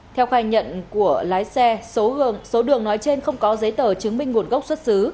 theo khai nhận của lái xe số hương số đường nói trên không có giấy tờ chứng minh nguồn gốc xuất xứ